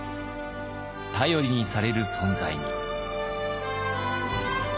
頼りにされる存在に。